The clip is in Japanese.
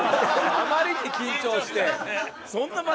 あまりに緊張して。